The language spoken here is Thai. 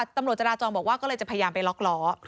ตำรวจจราจรบอกว่าก็เลยจะพยายามไปล็อกล้อ